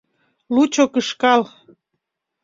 Лучо кышкал.